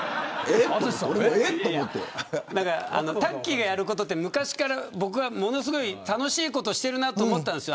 タッキーがやることって昔から楽しいことをしてるなと思ってたんです。